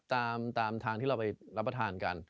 ตามทางที่เราไปรับประทานกัน